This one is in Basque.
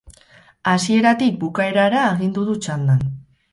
Hasieratik bukaerara agindu du txandan.